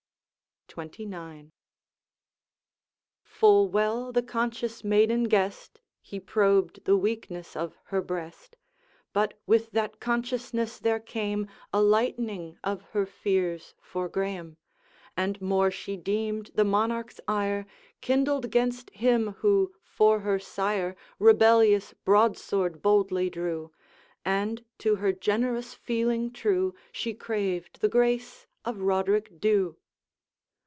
XXIX. Full well the conscious maiden guessed He probed the weakness of her breast; But with that consciousness there came A lightening of her fears for Graeme, And more she deemed the Monarch's ire Kindled 'gainst him who for her sire Rebellious broadsword boldly drew; And, to her generous feeling true, She craved the grace of Roderick Dhu.